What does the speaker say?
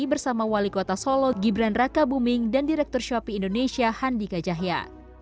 bersama wali kota solo gibran raka buming dan direktur shopee indonesia handi kajahya